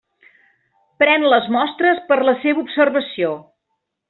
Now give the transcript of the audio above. Pren les mostres per a la seva observació.